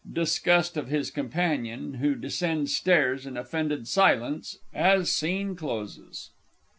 [_Disgust of his companion, who descends stairs in offended silence, as scene closes.